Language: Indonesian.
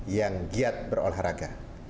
yang giat berolahraga